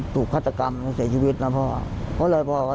ตั้งแต่เขาเล็กกัน